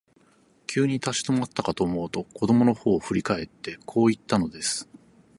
急に立ち止まったかと思うと、子供のほうを振り返って、こう言ったのです。